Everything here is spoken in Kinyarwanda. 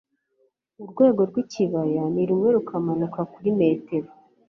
urwego rwikibaya ni rumwe, rukamanuka kuri metero